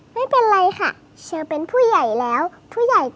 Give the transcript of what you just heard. ไม่เป็นไรค่ะเชอเป็นผู้ใหญ่แล้วผู้ใหญ่ต่อให้เองได้ค่ะ